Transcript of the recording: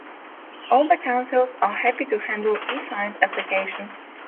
All the councils are happy to handle e-signed applications